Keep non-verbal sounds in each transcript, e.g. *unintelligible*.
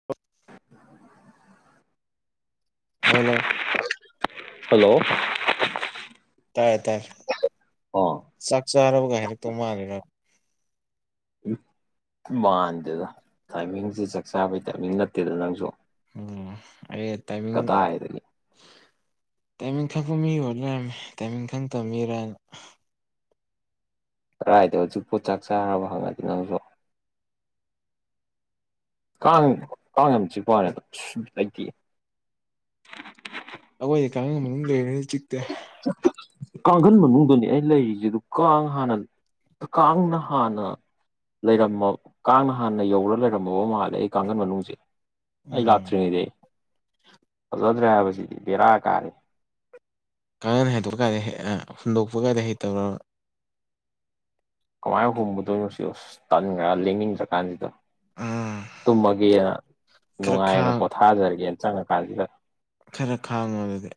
*unintelligible* ꯑꯂꯣ ꯍꯜꯂꯣ ꯇꯥꯏꯦ ꯇꯥꯏꯔ ꯑꯣ ꯆꯥꯛ ꯆꯥꯔꯕꯒꯥꯏ ꯍꯥꯏꯔ ꯇꯧ ꯃꯥꯜꯜꯂꯤꯦꯔ ꯃꯥꯟꯗꯦꯗ ꯇꯥꯏꯃꯤꯡꯁꯦ ꯆꯥꯛ ꯆꯥꯕꯩ ꯇꯥꯏꯃꯤꯡ ꯅꯠꯇꯦꯗ ꯅꯪꯁꯨ ꯎꯝ ꯑꯩ ꯇꯥꯏꯃꯤꯡ ꯀꯗꯥꯏꯗꯒꯤ ꯇꯥꯏꯃꯤꯡ ꯈꯛꯄ ꯃꯤ ꯑꯣꯏꯔ ꯂꯩꯔꯝꯃꯦ ꯇꯥꯏꯃꯤꯡ ꯈꯪ ꯇꯝ ꯃꯤꯔꯅ ꯔꯥꯏꯗ ꯍꯧꯖꯤꯛ ꯄꯣꯠ ꯆꯥꯛ ꯆꯥꯔꯕ ꯍꯪꯉꯗꯤ ꯅꯪꯁꯨ ꯀꯥꯡ ꯀꯥꯡ ꯌꯥꯝ ꯆꯤꯛꯄꯅꯦꯕ ꯁ ꯂꯩꯇꯦ ꯑ ꯑꯩꯈꯣꯏꯗꯤ ꯀꯥꯡ ꯑꯃ ꯃꯅꯨꯡ ꯂꯩꯔꯦꯅꯤ ꯆꯤꯛꯇꯦ ꯀꯥꯡꯈꯟ ꯃꯅꯨꯡꯗꯅꯤ ꯑꯩ ꯂꯩꯔꯤꯁꯦ ꯑꯗꯨ ꯀꯥꯡ ꯍꯥꯟꯅ ꯀꯥꯥꯟꯅ ꯍꯅ ꯂꯩꯔꯝꯃ ꯀꯥꯡꯅ ꯍꯥꯟꯅ ꯌꯧꯔꯒ ꯂꯩꯔꯝꯃꯕ ꯃꯥꯜꯂꯦ ꯑꯩ ꯀꯥꯡꯈꯟ ꯃꯅꯨꯡꯁꯦ ꯑꯩ ꯎꯝ ꯂꯥꯛꯇ꯭ꯔꯤꯉꯩꯗꯤ ꯐꯖꯗ꯭ꯔꯦ ꯍꯥꯏꯕꯁꯤꯗꯤ ꯕꯦꯔꯥ ꯀꯥꯔꯦ ꯀꯥꯡꯥꯅꯅ ꯍꯥꯏꯩꯗꯣꯛꯄ ꯀꯥꯟꯥꯏꯗ ꯍꯦꯛ ꯍꯨꯟꯗꯣꯛꯄ ꯀꯥꯏꯗ ꯍꯩ ꯇꯧꯔ ꯀꯃꯥꯏꯅ ꯍꯨꯝꯕꯗꯣꯏꯅꯣ ꯁꯤꯁ ꯇꯥꯟꯈ꯭ꯔ ꯂꯦꯡꯅꯤꯡꯟꯗ꯭ꯔꯀꯥꯟꯁꯤꯗ ꯎꯝ ꯇꯨꯝꯃꯒꯦꯅ ꯈꯔ ꯅꯨꯡꯉꯥꯏꯅ ꯈꯥꯡ ꯄꯣꯊꯥꯖꯔꯒꯦꯅ ꯆꯪꯉꯀꯥꯟꯁꯤꯗ ꯈꯔ ꯈꯥꯡꯉꯣ ꯑꯗꯨꯗꯤ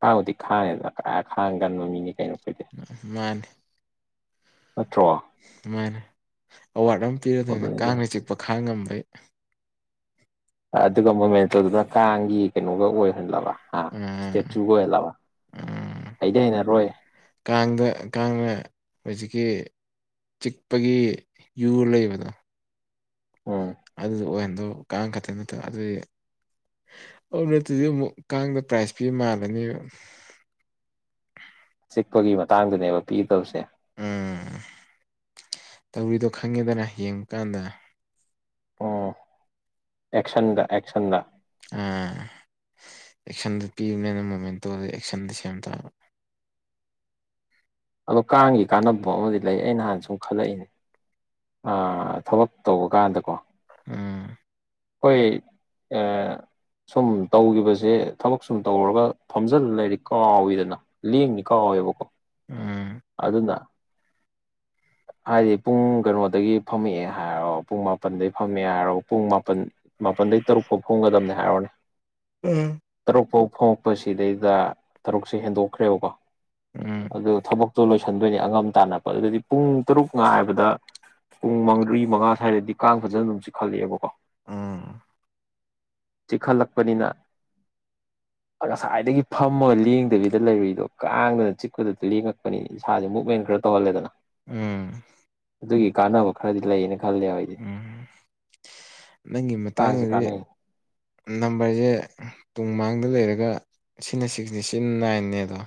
ꯈꯥꯡꯕꯨꯗꯤ ꯈꯥꯡꯉꯦꯗꯅ ꯈꯥꯡ ꯀꯟꯕ ꯃꯤꯅꯦ ꯀꯩꯅꯣ ꯑꯩꯈꯣꯏꯗꯤ ꯃꯥꯅꯤ ꯅꯠꯇ꯭ꯔꯣ ꯑꯗꯨꯃꯥꯏꯅ ꯑꯋꯥꯔꯗ ꯑꯃ ꯄꯤꯔꯗꯣꯏꯅꯤ ꯑꯗꯨꯅꯤꯗ ꯀꯥꯡꯅ ꯆꯤꯛꯄ ꯈꯥꯡ ꯉꯝꯕꯩ ꯑꯗꯨꯒ ꯃꯣꯃꯦꯟꯇꯧꯗꯨꯗ ꯀꯥꯡꯒꯤ ꯀꯩꯅꯣꯒ ꯑꯣꯏꯍꯜꯂꯕ ꯑ ꯎꯝ ꯏꯁꯇꯦꯆꯨꯒ ꯑꯣꯏꯍꯜꯂꯕ ꯎꯝ ꯑꯩꯗꯤ ꯍꯩꯅꯔꯣꯏ ꯀꯥꯡꯗ ꯀꯥꯡꯅ ꯍꯧꯖꯤꯛꯀꯤ ꯆꯤꯛꯄꯒꯤ ꯌꯨ ꯂꯩꯕꯗꯣ ꯎꯝ ꯑꯗꯨꯗ ꯑꯣꯏꯍꯟꯗꯧ ꯀꯥꯡ ꯈꯛꯇ ꯅꯠꯇ ꯑꯗꯨꯗꯤ ꯑꯗꯨ ꯅꯠꯇꯗꯤ ꯑꯃꯨꯛ ꯀꯥꯡꯗ ꯄ꯭ꯔꯥꯏꯖ ꯄꯤꯕ ꯃꯥꯜꯂꯅꯦꯕ ꯆꯤꯛꯄꯒꯤ ꯃꯇꯥꯡꯗꯨꯅꯦꯕ ꯄꯤꯒꯗꯕꯁꯦ ꯎꯝ ꯇꯧꯔꯤꯗꯣ ꯈꯪꯉꯦꯗꯅ ꯌꯦꯡꯕ ꯀꯥꯟꯗ ꯑꯣ ꯑꯦꯛꯁꯟꯗ ꯑꯦꯛꯁꯟꯗ ꯑꯥ ꯑꯦꯛꯁꯟꯗꯨ ꯄꯤꯕꯅꯤꯅ ꯃꯣꯃꯦꯟꯇꯣ ꯑꯦꯛꯁꯟꯗꯤ ꯁꯦꯝ ꯇꯥꯕ ꯑꯗꯣ ꯀꯥꯡꯒꯤ ꯀꯥꯟꯅꯕ ꯑꯃꯗꯤ ꯂꯩ ꯑꯩꯅ ꯍꯥꯟꯅ ꯁꯨꯝ ꯈꯜꯂꯛꯏꯅꯦ ꯑꯥ ꯊꯕꯛ ꯇꯧꯕ ꯀꯥꯟꯗꯀꯣ ꯎꯝ ꯈꯣꯏ ꯑ ꯁꯨꯝ ꯇꯧꯒꯤꯈꯤꯕꯁꯦ ꯊꯕꯛ ꯁꯨꯝ ꯇꯧꯔꯒ ꯐꯝꯖꯤꯜ ꯂꯩꯔꯗꯤ ꯀꯥꯎꯋꯤꯗꯅ ꯂꯦꯡꯅꯤ ꯀꯥꯎꯋꯦꯕꯀꯣ ꯎꯝ ꯑꯗꯨꯅ ꯍꯥꯏꯗꯤ ꯄꯨꯡ ꯀꯩꯅꯣꯗꯒꯤ ꯐꯝꯃꯛꯑꯦ ꯍꯥꯏꯔꯣ ꯄꯨꯡ ꯃꯥꯄꯜꯗꯒꯤ ꯐꯝꯃꯦ ꯍꯥꯏꯔꯣ ꯄꯨꯡ ꯃꯥꯄꯜ ꯃꯥꯄꯜꯗꯩ ꯇꯔꯨꯛ ꯐꯥꯎ ꯐꯝꯒꯗꯕꯅꯤ ꯍꯥꯏꯔꯣꯅꯦ ꯎꯝ ꯇꯔꯨꯛ ꯐꯥꯎ ꯐꯪꯉꯛꯄꯁꯤꯗꯩꯗ ꯇꯔꯨꯛꯁꯦ ꯍꯦꯟꯗꯣꯛꯈ꯭ꯔꯦꯕꯀꯣ ꯎꯝ ꯑꯗꯨ ꯊꯕꯛꯇꯣ ꯂꯣꯏꯁꯤꯟꯗꯣꯏꯅꯤ ꯑꯉꯝ ꯇꯥꯟꯅꯄ ꯑꯗꯨꯗꯤ ꯄꯨꯡ ꯇꯔꯨꯛ ꯉꯥꯏꯕꯗ ꯄꯨꯡ ꯃ꯭ꯔꯤ ꯃꯉꯥ ꯁ꯭ꯋꯥꯏꯗꯗꯤ ꯀꯥꯡ ꯐꯖꯅ ꯑꯗꯨꯝ ꯆꯛꯈꯠꯂꯛꯑꯦꯕꯀꯣ ꯎꯝ ꯆꯤꯛꯈꯠꯂꯛꯄꯅꯤꯅ *inaudible* ꯉꯁꯥꯏꯗꯒꯤ ꯐꯝꯃꯒ ꯂꯦꯡꯗꯕꯤꯗ ꯂꯩꯔꯤꯗꯣ ꯀꯥꯡꯗꯨꯅ ꯆꯤꯛꯄꯗ ꯂꯦꯡꯉꯛꯄꯅꯤ ꯏꯁꯥꯁꯦ ꯃꯨꯞꯚꯃꯦꯟ ꯈꯔ ꯇꯧꯍꯜꯂꯦꯗꯅ ꯎꯝ ꯑꯗꯨꯒꯤ ꯀꯥꯟꯅꯕ ꯈꯔꯗꯤ ꯂꯩꯌꯦꯅ ꯈꯜꯂꯦ ꯑꯩꯗꯤ ꯎꯝ ꯅꯪꯒꯤ ꯀꯥꯡꯁꯦ ꯃꯇꯥꯡꯗꯗꯤ ꯀꯥꯟꯅꯩ ꯅꯝꯕꯔꯁꯦ ꯇꯨꯡ ꯃꯥꯡꯗ ꯂꯩꯔꯒ ꯁꯤꯅ ꯁꯤꯛꯁꯅꯦ ꯁꯤꯅ ꯅꯥꯏꯟꯅꯦ ꯗꯣ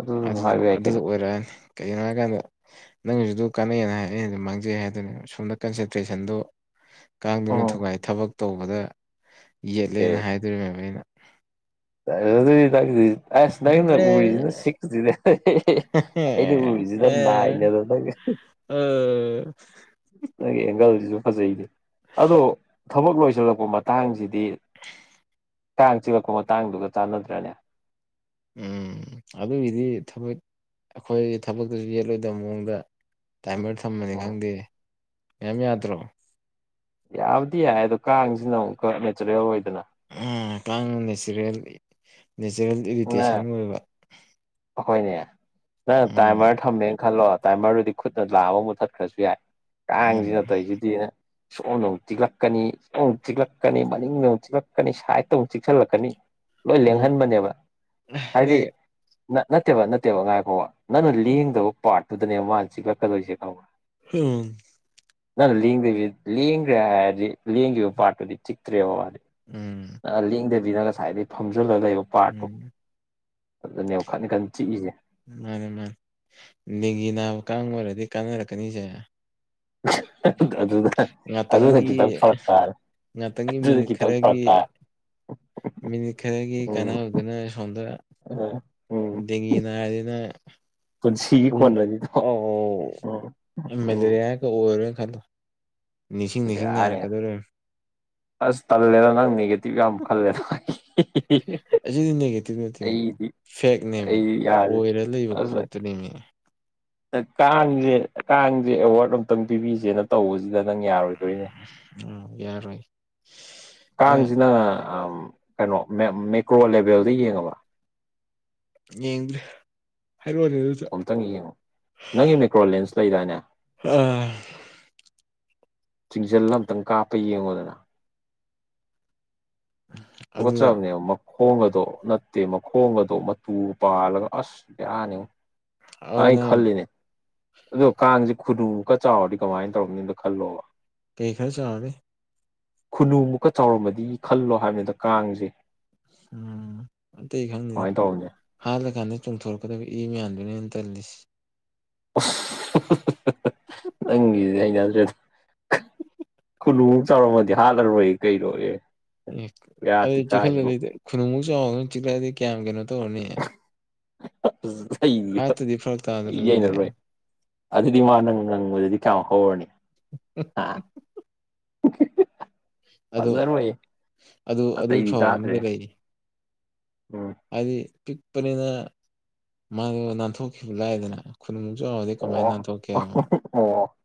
ꯑꯗꯨ ꯑꯗꯨꯗ ꯍꯥꯏꯕ ꯌꯥꯏ ꯑꯗꯨꯗꯣ ꯀꯩꯅꯣ ꯑꯣꯏꯔꯛꯑꯅꯤ ꯀꯩꯒꯤꯅꯣ ꯍꯥꯏꯀꯥꯟꯗ ꯅꯪꯒꯤꯁꯨꯗꯨ ꯀꯥꯟꯅꯩꯅ ꯑꯩꯅ ꯑꯗꯨ ꯃꯥꯡꯖꯩ ꯍꯥꯏꯗꯨꯅꯦ ꯁꯣꯝꯗ ꯀꯟꯁꯦꯟꯇ꯭ꯔꯦꯁꯟꯗꯣ ꯀꯥꯡꯗꯨꯅ ꯑꯣ ꯊꯨꯒꯥꯏ ꯊꯕꯛ ꯇꯧꯕꯗ ꯌꯦꯠꯂꯦꯅ ꯍꯥꯏꯗꯣꯔꯤꯕꯅꯦꯅ ꯑꯗꯨ ꯇ ꯑꯁ ꯅꯪꯅ ꯎꯔꯤꯁꯤꯅ ꯁꯤꯁꯤꯅꯦ ꯑꯩꯅ ꯑꯦ ꯎꯔꯤꯁꯤꯅ ꯅꯥꯏꯅꯦ ꯑꯗꯨ ꯅꯪ ꯑꯣ ꯅꯪꯒꯤ ꯑꯦꯡꯒꯜꯁꯤꯁꯨ ꯐꯖꯩꯅꯦ ꯑꯗꯣ ꯊꯕꯛ ꯂꯣꯏꯁꯤꯜꯂꯛꯄ ꯃꯇꯥꯡꯁꯤꯗꯤ ꯀꯥꯡ ꯆꯤꯛꯂꯛꯄ ꯃꯇꯥꯡꯗꯨꯒ ꯆꯥꯟꯅꯗ꯭ꯔꯅꯦ ꯎꯝ ꯑꯗꯨꯒꯤꯗꯤ ꯊꯕꯛ ꯑꯩꯈꯣꯏ ꯊꯕꯛꯇꯨꯁꯨ ꯌꯦꯠꯂꯣꯏꯗꯕ ꯃꯑꯣꯡꯗ ꯇꯥꯏꯃꯔ ꯊꯝꯃꯅꯤ ꯎꯝ ꯈꯪꯗꯦ ꯌꯥꯝ ꯌꯥꯗ꯭ꯔꯣ ꯌꯥꯕꯨꯗꯤ ꯌꯥꯏ ꯑꯗꯣ ꯀꯥꯡꯁꯤꯅ ꯑꯃꯨꯛꯀ ꯅꯦꯆꯔꯦꯜ ꯑꯣꯏꯗꯅ ꯀꯥꯡꯅ ꯅꯦꯆꯔꯦꯜ ꯅꯦꯆꯔꯦꯜ ꯅ ꯏꯔꯤꯇꯦꯁꯟ ꯑꯣꯏꯕ ꯑꯩꯈꯣꯏꯅꯦ ꯅꯪ ꯎꯝ ꯇꯥꯏꯃꯔ ꯊꯝꯃꯦꯅ ꯈꯜꯂꯣ ꯇꯥꯏꯃꯔꯗꯨꯗꯤ ꯈꯨꯠꯅ ꯂꯥꯝꯃ ꯃꯨꯠꯊꯠꯈ꯭ꯔꯁꯨ ꯌꯥꯏ ꯎꯝ ꯀꯥꯡꯁꯤꯅ ꯇꯧꯁꯤꯗꯤ ꯁꯣꯝꯗ ꯑꯃꯨꯛ ꯆꯤꯛꯂꯛꯀꯅꯤ ꯁꯣꯝ ꯑꯃꯨꯛ ꯆꯤꯛꯂꯛꯀꯅꯤ ꯃꯅꯤꯡꯗ ꯑꯃꯨꯛ ꯆꯤꯛꯂꯛꯀꯅꯤ ꯁꯥꯏꯗꯇ ꯑꯃꯨꯛ ꯆꯤꯛꯁꯤꯜꯂꯛꯀꯅꯤ ꯂꯣꯏ ꯑꯣ ꯂꯦꯡꯍꯟꯕꯅꯦꯕ ꯍꯥꯏꯗꯤ ꯅꯣꯏ ꯅꯠꯇꯦꯕ ꯅꯠꯇꯦꯕ ꯉꯥꯏ ꯐꯥꯎꯕ ꯅꯪꯅ ꯂꯦꯡꯗꯕ ꯄꯥꯔꯠꯇꯨꯗꯅꯦꯕ ꯃꯥꯅ ꯆꯤꯛꯂꯛꯀꯗꯣꯏꯁꯦ ꯈꯪꯕ ꯎꯝ ꯅꯪ ꯂꯦꯡꯗ ꯂꯦꯡꯈ꯭ꯔꯦ ꯍꯥꯏꯔꯗꯤ ꯂꯦꯡꯈꯤꯕ ꯄꯥꯠꯇꯨꯗꯤ ꯆꯤꯛꯇ꯭ꯔꯦꯕ ꯃꯥꯗꯤ ꯎꯝ ꯂꯦꯡꯗꯕꯤꯅ ꯉꯁꯥꯏꯗꯒꯤꯩ ꯐꯝꯖꯤꯜꯂꯒ ꯂꯩꯕ ꯄꯥꯔꯠꯇꯣ ꯎꯝ ꯑꯗꯨꯅꯦꯕ ꯈꯟ ꯈꯟ ꯆꯤꯛꯏꯁꯦ ꯃꯥꯅꯤ ꯃꯥꯅꯤ ꯗꯦꯡꯒꯤ ꯅꯥꯕ ꯀꯥꯡ ꯑꯣꯏꯔꯗꯤ ꯀꯥꯟꯅꯔꯛꯀꯅꯤꯁꯦ *unintelligible* ꯑꯗꯨꯅ ꯑꯗꯨꯅ ꯉꯥꯛꯇꯪꯒꯤ ꯈꯤꯇꯪ ꯐꯔꯛ ꯇꯥꯔꯦ ꯉꯥꯛꯇꯪꯒꯤ ꯑꯗꯨꯗꯤ ꯃꯤꯅꯤꯠ ꯈꯤꯇꯪ ꯈꯔꯒꯤ ꯐꯔꯛ ꯇꯥꯔꯦ ꯃꯤꯅꯤꯠ ꯈꯔꯒꯤ ꯎꯝ ꯀꯥꯟꯅꯕꯗꯨꯅ ꯁꯣꯝꯗ ꯎꯝ ꯎꯝ ꯗꯦꯡꯒꯤ ꯅꯥꯔꯗꯤ ꯅꯪ ꯄꯨꯟꯁꯤꯒꯤ ꯄꯨꯡ ꯀꯣꯟꯅꯅꯤꯗꯣ ꯎꯝ ꯎꯝ ꯈ ꯑꯣꯏꯔꯣꯏꯅ ꯈꯟꯂꯣ ꯅꯤꯡꯁꯤꯡ ꯅꯤꯡꯁꯤꯡ ꯕꯦꯔꯥꯅꯤ ꯅꯥꯏꯔꯛꯀꯗꯧꯔꯔ ꯑꯁ ꯇꯜꯂꯦꯗ ꯅꯪ ꯅꯦꯒꯦꯇꯤꯚ ꯌꯥꯝ ꯈꯜꯂꯦꯗ ꯑꯩꯆꯗꯤ ꯅꯒꯦ ꯇꯅ ꯊ ꯑꯩꯗꯤ ꯐꯦꯛꯅꯦꯃꯤ ꯑꯩ ꯌꯥꯔꯦ ꯑꯣꯏꯔ ꯂꯩꯕ ꯑꯁ ꯄꯣꯠꯇꯨꯅꯦꯃꯤ ꯀꯥꯡꯁꯦ ꯀꯥꯡꯁꯦ ꯑꯦꯋꯥꯔꯗ ꯑꯇꯪ ꯄꯤꯕꯤꯁꯦꯅ ꯇꯧꯕꯁꯤꯗ ꯅꯪ ꯌꯥꯔꯣꯏꯗꯣꯏꯅꯦ ꯎꯝ ꯌꯥꯔꯣꯏ ꯑꯦ ꯀꯥꯡꯁꯤꯅ ꯀꯩꯅꯣ ꯃꯦꯀ꯭ꯔꯣ ꯂꯦꯕꯦꯜꯗ ꯌꯦꯡꯉꯕ ꯌꯦ ꯍ ꯋꯥꯅꯤ ꯑꯝꯛꯇꯪ ꯌꯦꯡꯉꯨ ꯅꯪꯒꯤ ꯃꯦꯀ꯭ꯔꯣ ꯂꯦꯟꯁ ꯂꯩꯗꯥꯏꯅꯦ ꯑꯥ ꯆꯤꯡꯖꯜ ꯑꯃꯝꯇꯪ ꯀꯥꯞꯄ ꯌꯦꯡꯉꯣꯗꯅ ꯀ ꯑꯗꯨ ꯆꯕꯅꯤ ꯃꯈꯣꯡ ꯑꯗꯣ ꯅꯠꯇꯦ ꯃꯈꯣꯡ ꯑꯗꯣ ꯃꯇꯨ ꯄꯥꯜꯂꯒ ꯑꯁ ꯌꯥꯅꯤꯉ ꯑꯩ ꯑꯗꯨꯅ ꯈꯜꯂꯤꯅꯦ ꯑꯗꯣ ꯀꯥꯡꯁꯦ ꯈꯨꯗꯨꯀ ꯆꯥꯎꯔꯗꯤ ꯀꯃꯥꯏꯅ ꯇꯧꯔꯅꯤꯅꯗꯣ ꯈꯜꯂꯣꯕ ꯀꯩ ꯈꯔ ꯆꯥꯦ ꯈꯨꯅꯨꯃꯨꯛꯀ ꯆꯥꯎꯔꯝꯕꯗꯤ ꯈꯜꯂꯣ ꯍꯥꯏꯕꯅꯤꯗ ꯀꯥꯡꯁꯦ ꯎꯝꯇꯩ ꯈꯪꯗꯅꯦ ꯀꯃꯥꯏꯅ ꯇꯧꯔꯝꯅꯤ ꯍꯥꯜꯂꯀꯥꯟꯗ ꯆꯣꯡꯊꯣꯔꯛꯀꯗꯕ ꯏ ꯃꯌꯥꯝꯗꯨꯅꯦ ꯑ ꯇꯜꯂꯤꯁꯤ ꯅꯪꯒꯤꯗꯤ ꯑꯩꯅꯗ꯭ꯔꯦ ꯀ ꯀꯨꯜꯨꯃꯨꯛ ꯆꯥꯎꯧꯔꯝꯃꯗꯤ ꯍꯥꯜꯂꯔꯣꯏ ꯑꯩ ꯀꯩꯔꯣꯏꯦ ꯑꯦ ꯑꯗꯨ ꯆꯤꯛꯈꯜꯂꯗꯤꯗꯤ ꯈꯨꯅꯨꯡꯃꯨꯛ ꯆꯥꯎꯗꯅ ꯆꯤꯛꯂꯛꯑꯗꯤ ꯀꯌꯥꯝ ꯀꯩꯅꯣ ꯇꯧꯔꯅꯤ ꯑꯩ ꯍꯥꯠꯇꯗꯤ ꯐꯔꯛ ꯑꯩ ꯇꯥꯗ꯭ꯔꯣ ꯑꯗꯨꯗꯤ ꯌꯩꯅꯔꯣꯏ ꯑꯗꯨꯗꯤ ꯃꯥ ꯅꯪ ꯉꯪꯉꯗꯗꯤ ꯀ ꯍꯔꯅꯤ ꯎ ꯑꯗꯣ ꯐꯖꯔꯣꯏ ꯑꯗꯨ ꯑꯗꯨꯒꯤ ꯑꯇꯩꯗꯤ ꯐꯕ ꯑꯃꯗꯤ ꯆꯥꯗ꯭ꯔꯦ ꯂꯩꯔꯤ ꯎꯝ ꯍꯥꯏꯗꯤ ꯄꯤꯛꯄꯅꯤꯅ ꯃꯥꯗꯣ ꯅꯥꯟꯊꯣꯛꯈꯤꯕ ꯂꯥꯏꯗꯅ ꯈꯨꯟꯃꯁꯨꯗꯤ ꯀꯃꯥꯏ ꯑꯣ ꯅꯊꯣꯛꯧ ꯀꯦ ꯑꯣ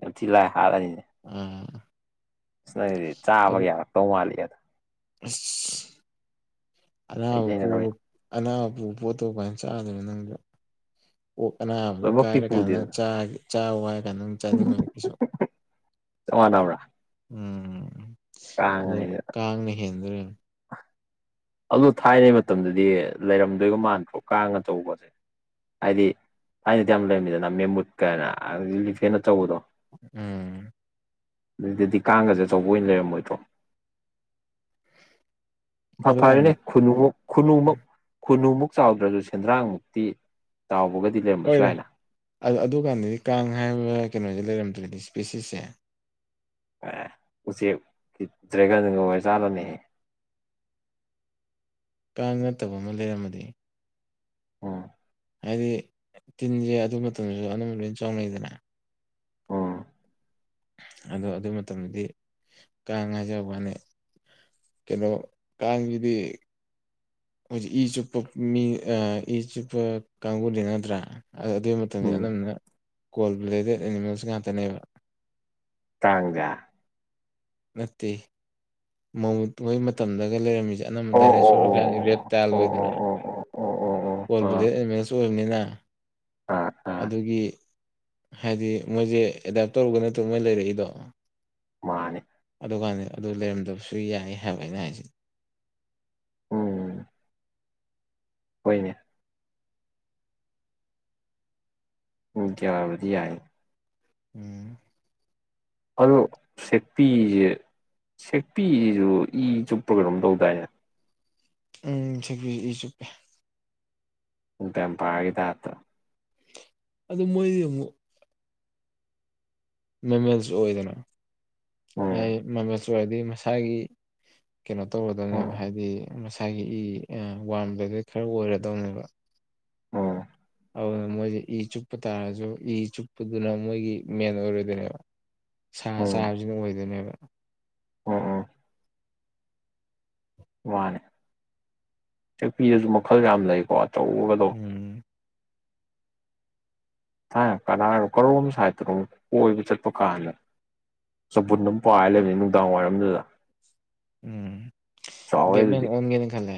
ꯌꯥꯝ ꯊꯤ ꯂꯥꯏ ꯍꯥꯔꯅꯤꯅꯦ ꯑꯥ ꯅꯪꯗꯤ ꯆꯥꯕꯒꯤ ꯌꯥꯔꯛꯇꯧ ꯃꯥꯜꯂꯤ ꯑꯗ ꯎꯝ ꯑꯅꯥꯕ ꯑꯩꯗꯤ ꯍꯩꯅꯔꯣꯏ ꯑꯅꯥꯕ ꯄꯨꯕ ꯄꯣꯠꯇꯣ ꯀꯥꯏꯅ ꯆꯥꯗꯕ ꯅꯪꯗ ꯑꯣꯛ ꯑꯅꯥꯕꯗꯨ ꯂꯣꯏꯃꯛꯇꯤ ꯀꯥꯏꯔ ꯀꯥꯟꯗ ꯄꯨꯗꯦꯗꯅ ꯆꯥ ꯋꯥꯏꯔ ꯀꯥꯟꯗ ꯆꯥꯅꯤꯡꯉ ꯀꯩꯁꯨ ꯆꯞ ꯃꯥꯟꯅꯕ꯭ꯔꯥ ꯎꯝ ꯑꯗꯣ ꯀꯥꯡꯅ ꯍꯦꯟꯗꯨꯅ ꯑ ꯑꯗꯣ ꯊꯥꯏꯅꯩ ꯃꯇꯝꯗꯗꯤ ꯂꯩꯔꯝꯗꯣꯏꯒ ꯃꯥꯟꯗ꯭ꯔꯣ ꯀꯥꯡꯉꯆꯧꯕꯁꯦ ꯍꯥꯏꯗꯤ ꯊꯥꯏꯅꯗꯤ ꯌꯥꯝ ꯂꯩꯔꯝꯃꯤꯗꯅ ꯃꯦꯝꯕꯨꯨꯠ ꯀꯥꯏꯅ ꯂꯤꯐ ꯍꯦꯟꯅꯆꯧꯕꯗꯣ ꯎꯝ ꯑꯗꯨꯏꯗꯗꯤ ꯀꯥꯡꯒꯁꯦ ꯑꯆꯧꯕ ꯑꯣꯏꯅ ꯂꯩꯔꯝꯃꯣꯏꯗ꯭ꯔꯣ ꯑꯗꯨꯀꯥꯟꯗꯤ ꯐꯔꯦꯅꯦ ꯈꯨꯟꯅꯨꯃꯨꯛ ꯈꯨꯟꯅꯨꯃꯨ ꯈꯨꯟꯅꯨꯃꯨꯛ ꯆꯥꯎꯗ꯭ꯔꯁꯨ ꯁꯦꯟꯗ꯭ꯔꯥꯡꯃꯨꯛꯇꯤ ꯇꯥꯎꯕꯒꯗꯤ ꯂꯩꯔꯝꯕꯁꯨ ꯍꯣꯏꯅꯦ ꯌꯥꯏꯂ ꯑꯗꯨꯀꯥꯟꯗꯗꯤ ꯀꯥꯡ ꯍꯥꯏꯕ ꯀꯩꯅꯣꯁꯦ ꯂꯩꯔꯝꯗ꯭ꯔꯗꯤ ꯏꯁ꯭ꯄꯦꯁꯤꯁꯁꯦ ꯑꯦ ꯎꯆꯦꯛ ꯗ꯭ꯔꯦꯒꯟꯒ ꯑꯣꯏ ꯆꯥꯂꯅꯤ ꯀꯥꯡ ꯅꯠꯇꯕ ꯑꯃ ꯂꯩꯔꯝꯃꯗꯤ ꯑꯣꯝ ꯍꯥꯏꯗꯤ ꯇꯤꯟꯁꯦ ꯑꯗꯨ ꯃꯇꯝꯗꯁꯨ ꯑꯅꯝꯕ ꯂꯣꯏ ꯆꯥꯎꯅꯩꯗꯅ ꯎꯝ ꯑꯗꯣ ꯑꯗꯨ ꯃꯇꯝꯗꯗꯤ ꯀꯥꯡ ꯍꯥꯏꯖꯕ ꯋꯥꯅꯤ ꯀꯩꯅꯣ ꯀꯥꯡꯁꯤꯗꯤ ꯍꯧꯖꯤꯛ ꯏ ꯆꯨꯞꯄ ꯃꯤ ꯏ ꯆꯨꯞꯄ ꯀꯥꯡꯕꯨꯗꯤ ꯅꯠꯇ꯭ꯔꯥ ꯑꯗꯨ ꯃꯇꯝꯗꯤ ꯎꯝ ꯑꯅꯝꯕꯅ ꯀꯣꯜ ꯕ꯭ꯂꯦꯗꯦꯠ ꯑꯦꯅꯤꯃꯦꯜꯁ ꯉꯥꯛꯇꯅꯦꯕ ꯀꯥꯡꯖꯦ ꯅꯠꯇꯦ ꯃꯣꯏ ꯃꯇꯝꯗꯒ ꯂꯩꯔꯝꯃꯤꯁꯦ ꯑꯅꯝꯕ ꯑꯣ ꯗꯥꯏꯅꯦꯁꯣꯔ ꯑꯣ ꯀꯩꯀꯁꯦ ꯔꯦꯠ ꯑꯣ ꯑꯣ ꯆꯥꯜꯂꯣꯏꯗꯅ ꯑꯣ ꯑꯣ ꯑꯣ ꯑꯣ ꯑꯣ ꯀꯣꯜ ꯑꯣ ꯕꯦꯂꯦꯠ ꯑꯦꯚꯦꯟꯁ ꯑꯣꯏꯕꯅꯤꯅ ꯑꯥ ꯑꯥ ꯑꯥ ꯑꯗꯨꯒꯤ ꯍꯥꯏꯗꯤ ꯃꯣꯏꯁꯦ ꯑꯦꯗꯥꯞ ꯇꯧꯔꯒ ꯅꯠꯇ꯭ꯔꯣ ꯃꯣꯏ ꯂꯩꯔꯛꯏꯗꯣ꯫ ꯃꯥꯅꯦ ꯑꯗꯨꯀꯥꯟꯗ ꯑꯗꯨ ꯂꯩꯔꯝꯗꯕꯁꯨ ꯌꯥꯏ ꯍꯥꯏꯕ ꯑꯩꯅ ꯍꯥꯏꯁꯤ꯫ ꯎꯝ ꯍꯣꯏꯅꯦ ꯎꯝ ꯌꯥꯕꯗꯤ ꯌꯥꯏꯅꯦ ꯎꯝ ꯑꯗꯣ ꯁꯦꯛꯄꯤꯁꯦ ꯁꯦꯛꯄꯤꯁꯤꯁꯨ ꯏ ꯆꯨꯞꯄ ꯀꯩꯅꯣꯝ ꯇꯧꯗꯥꯏꯅꯦ ꯎꯝ ꯁꯦꯛꯄꯤꯁꯤ ꯏꯆꯨꯨꯞꯄꯦ ꯕꯦꯝꯕꯤꯌꯔꯒꯤ ꯇꯥꯞꯇ ꯑꯗꯨ ꯃꯣꯏꯗꯤ ꯑꯃꯣꯛ ꯃꯃꯦꯜꯁ ꯑꯣꯏꯗꯅ ꯎꯝ ꯍꯥꯏ ꯃꯃꯦꯜꯁ ꯑꯣꯏꯔꯗꯤ ꯃꯁꯥꯒꯤ ꯀꯩꯅꯣ ꯎꯝ ꯇꯧꯔꯗꯣꯅꯦꯕ ꯍꯥꯏꯗꯤ ꯃꯥꯁ ꯒꯤ ꯏ ꯋꯥꯝ ꯕꯦꯒꯦꯠ ꯈꯔ ꯑꯣꯏꯔꯗꯧꯅꯦꯕ ꯎꯝ ꯑꯗꯨꯅ ꯃꯣꯏꯒꯤ ꯏ ꯆꯨꯞꯄ ꯇꯥꯔꯁꯨ ꯏ ꯆꯨꯞꯄꯗꯨꯅ ꯃꯣꯏꯒꯤ ꯃꯦꯟ ꯑꯣꯏꯔ ꯗꯣꯏꯅꯦꯕ ꯁꯥ ꯎꯝ ꯆꯥꯕꯁꯤꯅ ꯑꯣꯏꯗꯣꯏꯅꯦꯕ ꯎꯝ ꯎꯝ ꯃꯥꯅꯦ ꯁꯦꯛꯄꯤꯗꯁꯨ ꯃꯈꯜ ꯌꯥꯝ ꯂꯩꯀꯣ ꯑꯆꯧꯕꯒꯗꯨ ꯎꯝ ꯊꯥꯏ ꯀꯅꯥꯏꯔꯣ ꯀꯔꯣꯝ ꯁꯥꯏꯠꯇꯅꯣ ꯀꯣꯏꯕ ꯆꯠꯄ ꯀꯥꯟꯗ ꯆꯕꯨꯟ ꯑꯃ ꯄꯥꯏꯔ ꯂꯩꯕꯅꯤ ꯅꯨꯡꯗꯥꯡꯋꯥꯏꯔꯝꯗꯨꯗ ꯎꯝ ꯆꯥꯎꯋꯦ ꯕꯦꯠꯃꯦꯟ ꯑꯗꯨꯗꯤ ꯑꯣꯟꯒꯦꯅ ꯈꯜꯂꯦ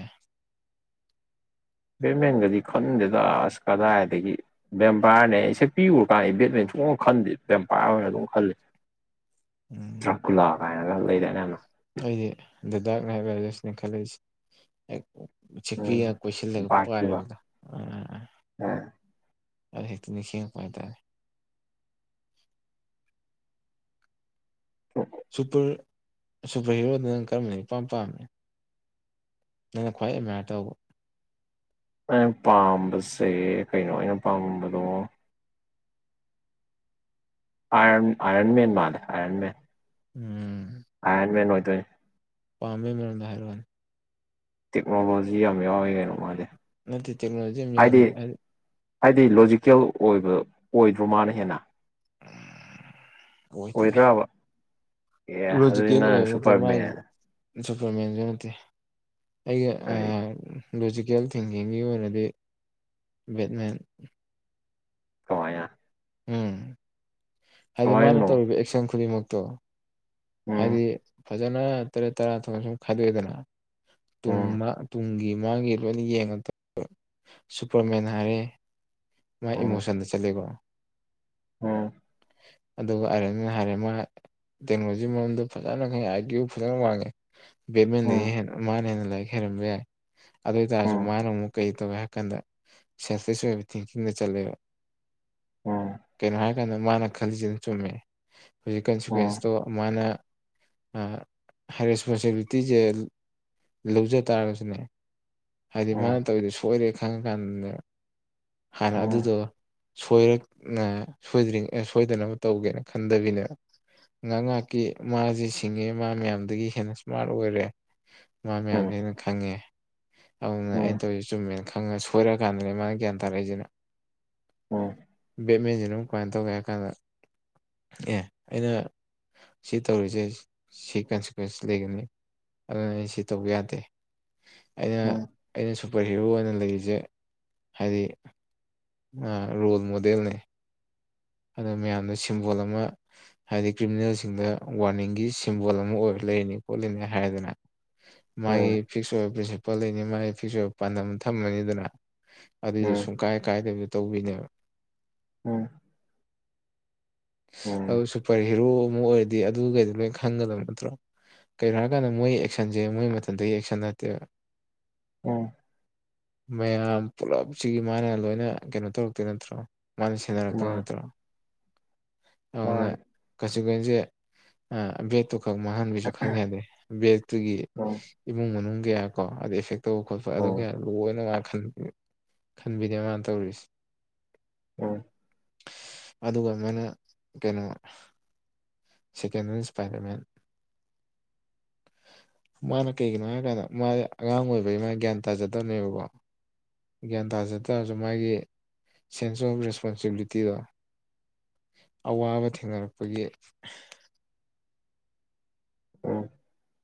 ꯕꯦꯠꯃꯦꯟꯒꯗꯤ ꯈꯟꯗꯦꯗ ꯑꯁ ꯀꯗꯥꯏꯗꯒꯤ ꯕꯦꯝꯄꯥꯌꯔꯅꯦ ꯑꯩꯁꯦ ꯁꯦꯛꯄꯤ ꯎꯔꯛꯀꯥꯟꯗ ꯑꯩ ꯕꯦꯠꯃꯤꯟ ꯁꯨꯡꯈꯟ ꯈꯟꯗꯦ ꯕꯦꯝꯄꯥꯌꯔ ꯑꯣꯏꯅ ꯑꯗꯨꯝ ꯈꯜꯂꯦ ꯎꯝ ꯗꯥꯔꯀꯨꯂꯥ ꯀꯥꯏꯅ ꯂꯩꯗꯥꯏꯅꯦ ꯌꯥꯝꯅ ꯑꯩꯗꯤ ꯂꯗꯥꯛꯅꯦ ꯍꯥꯏꯕ ꯍꯥꯏꯔꯁꯤꯅꯦ ꯈꯜꯂꯛꯏꯁꯦ ꯁꯦꯛꯄꯤꯒ ꯎꯝ ꯀꯣꯏꯁꯤꯜꯂꯒ ꯄꯥꯏꯕꯩ ꯕꯥꯏꯛꯇꯨꯒ ꯃꯥꯑꯣꯗꯣ ꯑꯗꯨꯃꯥꯏꯅ ꯑꯗꯨ ꯍꯦꯛꯇ ꯅꯤꯡꯁꯤꯡ ꯉꯥꯛꯄ ꯍꯥꯏꯇꯔꯦ *unintelligible* ꯁꯨꯄꯔ ꯁꯨꯄꯔ ꯍꯤꯔꯣꯗ ꯅꯪ ꯀꯔꯝꯕꯅ ꯏꯄꯥꯝ ꯄꯥꯝꯃꯤ ꯅꯪꯅ ꯈ꯭ꯋꯥꯏ ꯑꯦꯃꯤꯌꯔ ꯇꯧꯕ ꯑꯩꯅ ꯄꯥꯝꯕꯁꯦ ꯀꯩꯅꯣ ꯑꯩꯅ ꯄꯥꯝꯕꯗꯣ ꯑꯥꯏꯔꯟ ꯑꯥꯏꯔꯟꯃꯦꯟ ꯃꯥꯟꯂꯦ ꯑꯥꯏꯔꯟꯃꯦꯟ ꯎꯝ ꯑꯥꯏꯔꯟ ꯃꯦꯟ ꯑꯣꯏꯗꯣꯏꯅꯤ ꯄꯥꯝꯕꯩ ꯃꯔꯗꯨ ꯍꯥꯏꯔꯛꯑꯣꯅꯦ ꯇꯦꯛꯅꯣꯂꯣꯖꯤ ꯌꯥꯝ ꯌꯥꯎꯋꯤ ꯀꯩꯅꯣ ꯃꯥꯗꯤ ꯅꯠꯇꯦ ꯇꯦꯛꯅꯣꯖꯤ ꯌꯥꯝꯃꯦ ꯍꯥꯏꯗꯤ ꯍꯥꯏꯗꯤ ꯂꯣꯖꯤꯀꯦꯜ ꯑꯣꯏꯕ ꯑꯣꯏꯗ꯭ꯔꯣ ꯃꯥꯅ ꯍꯦꯟꯅ ꯑꯣꯏꯗꯦꯗ ꯑꯣꯏꯗ꯭ꯔꯕ ꯑꯦ ꯑꯗꯨꯗꯤ ꯂꯣꯖꯤꯀꯦꯜ ꯅꯪ ꯑꯣꯏꯕ ꯅꯠꯇꯦ ꯃꯥꯏꯗꯨꯗꯤ ꯁꯨꯄꯔꯃꯦꯟ ꯁꯨꯄꯔꯃꯦꯟꯁꯨ ꯅꯠꯇꯦ ꯑꯩꯒꯤ ꯀꯔꯤ ꯑꯥ ꯂꯣꯖꯤꯀꯦꯜ ꯊꯤꯡꯀꯤꯡꯒꯤ ꯑꯣꯏꯅꯗꯤ ꯕꯦꯠꯃꯦꯟ ꯀꯃꯥꯏꯅ ꯎꯝ ꯍꯥꯏꯗꯤ ꯃꯥꯅ ꯀꯃꯥꯏꯅꯅꯣ ꯇꯧꯔꯤꯕ ꯑꯦꯛꯁꯟ ꯈꯨꯗꯤꯡꯃꯛꯇꯣ ꯎꯝ ꯍꯥꯏꯗꯤ ꯐꯖꯅ ꯇꯔꯦꯠ ꯇꯔꯥ ꯊꯣꯛꯅꯁꯨꯝ ꯈꯥꯏꯗꯣꯛꯑꯦꯗꯅ ꯎꯝ ꯇꯨꯡꯒꯤ ꯃꯥꯡꯒꯤ ꯂꯣꯏꯅ ꯌꯦꯡꯉ ꯁꯨꯄꯔꯃꯦꯟ ꯍꯥꯏꯔꯦ ꯃꯥꯥꯏ ꯎꯝ ꯏꯃꯣꯁꯟꯗ ꯆꯂꯦꯒꯣ ꯎꯝ ꯑꯗꯨꯕꯨ ꯑꯥꯏꯔꯅ ꯍꯥꯏꯔꯦ ꯃꯥ ꯇꯦꯛꯅꯣꯂꯣ ꯁꯤ ꯃꯔꯝꯗ ꯐꯖꯅ ꯈ ꯑꯥꯏ ꯀ꯭ꯌꯨ ꯐꯖꯅ ꯋꯥꯡꯉꯦ ꯃꯦꯟ ꯎꯝ ꯂꯩ ꯃꯥꯅꯅ ꯂꯥꯏ ꯈꯦꯔꯝꯕ ꯌꯥꯏ ꯑꯗꯨ ꯑꯣꯏ ꯇꯥꯔꯁꯨ ꯎꯝ ꯃꯥꯅ ꯑꯃꯨꯛ ꯀꯩ ꯇꯧꯒꯦ ꯍꯥꯏ ꯀꯥꯟꯗ ꯁꯦꯟꯁꯁ ꯑꯣꯏꯕ ꯊꯤꯡꯀꯤꯡꯗ ꯆꯠꯂꯦꯕ ꯎꯝ ꯎꯝ ꯀꯩꯅꯣ ꯍꯥꯏꯔꯀꯥꯟꯗ ꯃꯥꯅ ꯈꯜꯂꯤꯁꯤꯅ ꯆꯨꯝꯃꯦ ꯍꯧꯖꯤꯛ ꯎꯝ ꯀꯟꯁꯤꯀ꯭ꯋꯦꯟꯁꯇꯣ *unintelligible* ꯔꯦꯁꯄꯣꯟꯁꯤꯕꯤꯂꯤꯇꯤꯁꯦ ꯂꯧꯖ ꯇꯥꯔꯒꯁꯨꯅꯦ ꯍꯥꯏꯗꯤ ꯃꯥꯅ ꯎꯝ ꯇꯧꯔꯤꯗꯣ ꯁꯣꯏꯔꯦ ꯈꯪꯉꯀꯥꯟꯗꯅꯦ ꯍꯥꯟꯅ ꯎꯝ ꯎꯝ ꯎꯝ ꯎꯝ ꯎꯝ ꯎꯝ ꯎꯝ ꯎꯝ ꯎꯝ ꯎꯝ ꯑꯗꯨꯗꯣ ꯣꯏꯅꯣꯏꯗ꯭ꯔꯤ ꯁꯣꯏꯗꯅꯕ ꯇꯧꯒꯦꯅ ꯈꯟꯗꯕꯤꯅꯦꯅ ꯉꯥꯏꯍꯥꯛ ꯉꯥꯏꯍꯥꯛꯀꯤ ꯃꯥꯁꯤ ꯁꯤꯡꯉꯦ ꯃꯥ ꯃꯌꯥꯝꯗꯒꯤ ꯍꯦꯟꯅ ꯏꯁꯃꯥꯔꯠ ꯑꯣꯏꯔꯦ ꯃꯥ ꯃꯌꯥꯝꯁꯦ ꯑꯩꯅ ꯈꯪꯉꯦ ꯑꯗꯨꯅ ꯑꯩꯅ ꯇꯧꯔꯤꯁꯤꯦ ꯆꯨꯝꯃꯦꯅ ꯈꯪꯉꯁꯨ ꯐꯣꯏꯔ ꯀꯥꯟꯗꯅꯤ ꯃꯥꯅꯒꯤ ꯑꯟ ꯇꯔ ꯂꯩ ꯍꯥꯏꯁꯤꯅꯣ ꯎꯝ ꯕꯦꯠꯃꯤꯟꯇꯟ ꯑꯃ ꯀꯃꯥꯏꯅ ꯇꯧꯒꯦ ꯍꯥꯏ ꯀꯥꯟꯗ ꯑꯦ ꯑꯩꯅ ꯁꯤ ꯇꯧꯔꯤꯁꯦ ꯁꯤ ꯀꯟꯁꯤꯀ꯭ꯋꯦꯟꯁ ꯂꯩꯒꯅꯤ ꯑꯗꯨꯅ ꯑꯩꯅ ꯁꯤ ꯇꯧꯕ ꯌꯥꯗꯦ ꯑꯩꯅ ꯑꯩꯅ ꯁꯨꯄꯔ ꯍꯤꯔꯣ ꯑꯣꯏꯅ ꯂꯩꯔꯤꯁꯦ ꯍꯥꯏꯗꯤ ꯔꯣꯜ ꯃꯣꯗꯦꯜꯅꯦ ꯑꯗꯅ ꯃꯌꯥꯝꯅ ꯁꯤꯝꯕꯣꯜ ꯑꯃ ꯍꯥꯏꯗꯤ ꯀ꯭ꯔꯤꯃꯤꯅꯦꯜꯁꯤꯡꯗ ꯋꯥꯔꯅꯤꯡꯒꯤ ꯁꯤꯝꯕꯣꯜ ꯑꯃ ꯑꯣꯏꯕ ꯂꯩꯔꯤꯅꯤ ꯈꯣꯠꯂꯤꯅꯤ ꯍꯥꯏꯔꯗꯅ ꯃꯥꯒꯤ ꯐꯤꯛꯁ ꯑꯣꯏꯕ ꯄ꯭ꯔꯤꯟꯁꯤꯄꯥꯜ ꯂꯩꯅꯤ ꯃꯥꯒꯤ ꯐꯤꯛꯁ ꯑꯣꯏꯕ ꯄꯥꯟꯗꯝ ꯊꯝꯃꯅꯤ ꯑꯗꯨꯅ ꯑꯗꯨꯗ ꯁꯨꯡ ꯀꯥꯏ ꯀꯥꯏꯗꯕꯗꯣ ꯇꯧꯕꯤꯅꯦꯕ ꯎꯝ ꯑꯗꯨ ꯁꯨꯄꯔ ꯍꯤꯔꯣ ꯑꯃ ꯑꯣꯏꯔꯗꯤ ꯑꯗꯨꯒꯩꯗꯤ ꯂꯣꯏ ꯈꯪꯒꯗꯕ ꯅꯠꯇ꯭ꯔꯣ ꯀꯩꯅꯣ ꯍꯥꯏꯔꯀꯥꯟꯗ ꯃꯣꯏ ꯑꯦꯛꯁꯟꯁꯦ ꯃꯣꯏ ꯃꯊꯇꯒꯤ ꯑꯦꯛꯁꯟ ꯅꯠꯇꯦꯕ ꯎꯝ ꯃꯌꯥꯝ ꯄꯨꯂꯞꯁꯤꯒꯤ ꯃꯥꯅ ꯂꯣꯏꯅ ꯀꯩꯅꯣ ꯇꯧꯔꯛꯇꯣꯏ ꯅꯠꯇ꯭ꯔꯣ ꯃꯥꯅ ꯁꯦꯟꯅꯔꯛꯇꯣꯏ ꯅꯠꯇ꯭ꯔꯣ ꯎꯝ ꯑꯗꯨꯅ ꯀꯆ ꯀꯁꯦꯦ ꯈꯛ ꯃꯥꯡꯍꯟꯕꯤꯁꯨ ꯈꯪ ꯌꯥꯗꯦ ꯕꯦꯠꯇꯨꯒꯤ ꯎꯝ ꯏꯃꯨꯡ ꯃꯅꯨꯡ ꯀꯌꯥ ꯀꯣ ꯑꯗ ꯏꯐꯦ ꯇꯧꯕ ꯈꯣꯠꯄ ꯑꯗꯨ ꯀ ꯎꯝ ꯂꯣꯏꯅ ꯃꯥ ꯈꯟꯕꯤꯅꯦ ꯃꯥꯅ ꯇꯧꯔꯤꯁꯦ ꯎꯝ ꯑꯗꯨꯒ ꯑꯃꯅ ꯀꯩꯅꯣ ꯁꯀꯦꯟꯗ ꯏꯟꯁꯄꯥꯏꯔꯃꯦꯟ ꯃꯥꯅ ꯀꯩꯒꯤꯅꯣ ꯍꯥꯏ ꯀꯥꯟꯗ ꯃꯥꯁ ꯑꯉꯥꯡ ꯑꯣꯏꯕꯒꯤ ꯃꯥꯅ ꯒ꯭ꯌꯥꯟ ꯇꯥꯖꯗꯕꯅꯦꯕꯀꯣ ꯒ꯭ꯌꯥꯟ ꯇꯥꯖ ꯇꯥꯔꯁꯨ ꯃꯥꯒꯤ ꯁꯦꯟꯁ ꯑꯣꯐ ꯔꯦꯁꯄꯣꯟꯁꯤꯕꯤꯂꯤꯇꯤ ꯁꯛꯇꯤꯗꯣ ꯑꯋꯥꯕ ꯊꯦꯡꯅꯔꯛꯄꯒꯤ ꯎꯝ